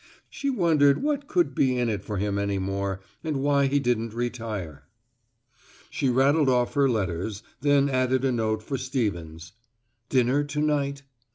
She wondered what could be in it for him any more, and why he didn't retire. She rattled off her letters, then added a note for Stevens, "Dinner to night?"